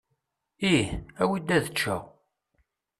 Ih. Awi-d ad eččeɣ.